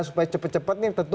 supaya cepat cepat nih tentu